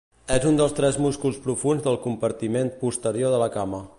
És un dels tres músculs profunds del compartiment posterior de la cama.